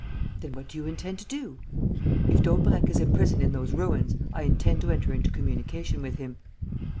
"Then what do you intend to do?" "If Daubrecq is imprisoned in those ruins, I intend to enter into communication with him."